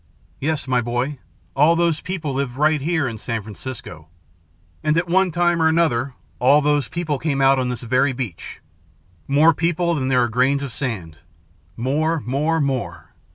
Yes, my boy, all those people lived right here in San Francisco. And at one time or another all those people came out on this very beach more people than there are grains of sand. More more more.